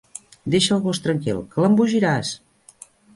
Deixa el gos tranquil, que l'embogiràs!